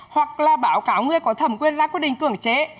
hoặc là báo cáo người có thẩm quyền ra quyết định cưỡng chế